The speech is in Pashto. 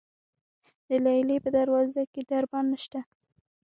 د لیلې په دروازه کې دربان نشته.